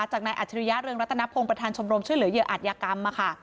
จากนายอัจฉริยะเรืองรัตนพงศ์ประธานชมรมช่วยเหลือเหยื่ออาจยากรรม